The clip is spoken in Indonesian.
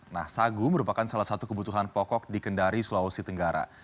nah sagu merupakan salah satu kebutuhan pokok di kendari sulawesi tenggara